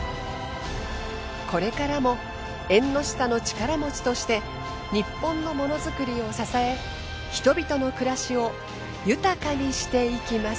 これからも縁の下の力持ちとして日本のモノづくりを支え人々の暮らしを豊かにしていきます。